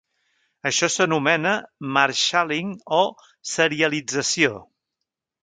Això s'anomena "marshalling" o serialització.